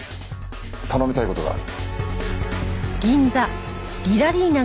頼みたい事がある。